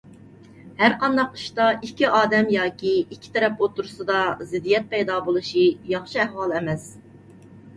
ھەرقانداق ئىشتا ئىككى ئادەم ياكى ئىككى تەرەپ ئوتتۇرىسىدا زىددىيەت پەيدا بولۇشى ياخشى ئەھۋال ئەمەس.